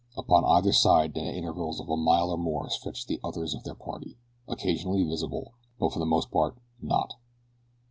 Upon either side and at intervals of a mile or more stretched the others of their party, occasionally visible; but for the most part not.